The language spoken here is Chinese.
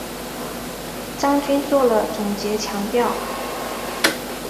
张军作了总结强调